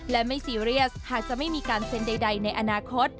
และไม่ซีเรียสหากจะไม่มีการเซ็นใดในอนาคต